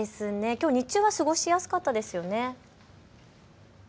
きょう日中は過ごしやすかったですよね。